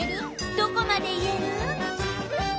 どこまで言える？